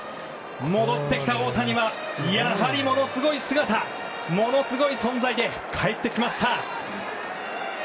戻ってきた大谷はやはりものすごい姿ものすごい存在で帰ってきました！